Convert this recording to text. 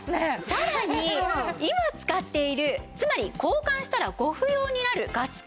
さらに今使っているつまり交換したらご不要になるガス給湯器